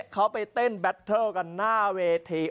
เขาไปเต้นแบตเทิลกันหน้าเวที